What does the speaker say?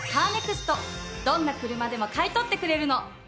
どんな車でも買い取ってくれるの。